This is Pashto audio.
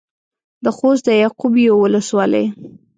د خوست د يعقوبيو ولسوالۍ.